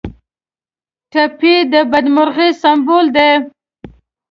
ټپي د بدمرغۍ سمبول دی.